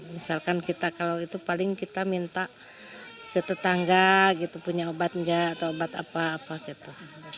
misalkan kita kalau itu paling kita minta ke tetangga gitu punya obat enggak atau obat apa apa gitu